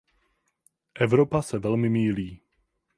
Evropa se velmi mýlí.